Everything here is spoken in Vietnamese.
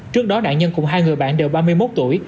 trước đó nạn nhân cùng hai người bạn đều ba mươi một tuổi